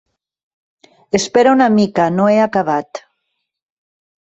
Espera una mica. No he acabat.